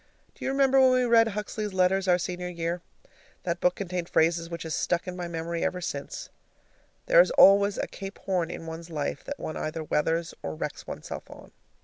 Do you remember when we read Huxley's letters our senior year? That book contained a phrase which has stuck in my memory ever since: "There is always a Cape Horn in one's life that one either weathers or wrecks oneself on."